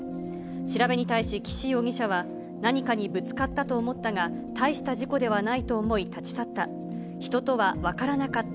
調べに対し岸容疑者は、何かにぶつかったと思ったが、大した事故ではないと思い、立ち去った。